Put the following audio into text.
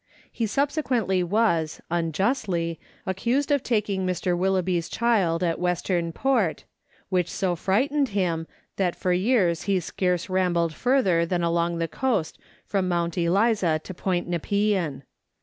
He subsequently was (unjustly) accused of taking Mr. Willoby's child at Western Port, which so frightened him, that for years he scarce rambled further than along the coast from Mount Eliza to Point Nepean.